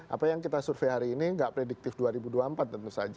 apa yang kita survei hari ini nggak prediktif dua ribu dua puluh empat tentu saja